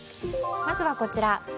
まずは、こちら。